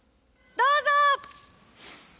どうぞ。